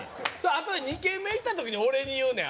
あとで２軒目行った時に俺に言うねん